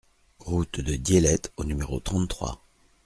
Route de Diélette au numéro trente-trois